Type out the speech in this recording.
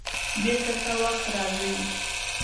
بېرته څه وخت راځې؟